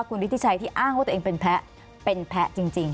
คุณฤทธิชัยที่อ้างว่าตัวเองเป็นแพ้เป็นแพ้จริง